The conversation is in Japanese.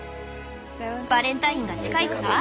バレンタインが近いから？